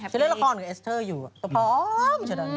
ชีวิตละครกับเอสเตอร์อยู่ต้องพร้อม